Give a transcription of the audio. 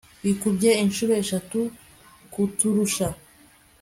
Bikubye inshuro eshatu kuturusha